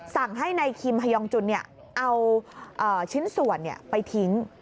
สั่งให้นายคิมฮยองจุนเอาชิ้นส่วนไปทิ้ง